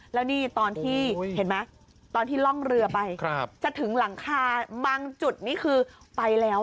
แล้วนี่ตอนที่เห็นไหมตอนที่ล่องเรือไปจะถึงหลังคาบางจุดนี่คือไปแล้ว